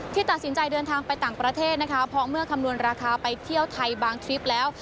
ตัดสินใจเดินทางไปต่างประเทศนะคะเพราะเมื่อคำนวณราคาไปเที่ยวไทยบางทริปแล้ว